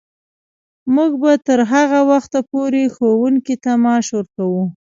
موږ به تر هغه وخته پورې ښوونکو ته معاش ورکوو.